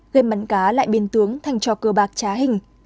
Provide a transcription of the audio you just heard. game bắn cá lại biên tướng thành cho cờ bạc trá hình